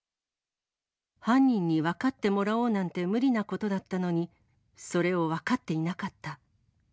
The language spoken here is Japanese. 犯人に分かってもらおうなんて無理なことだったのに、それを分かっていなかった。